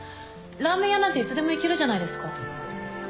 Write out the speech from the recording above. ラーメン屋なんていつでも行けるじゃないですか